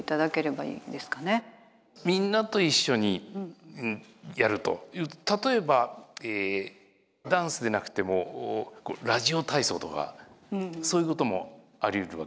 みんなと一緒にやるという例えばダンスでなくてもラジオ体操とかそういうこともありうるわけ。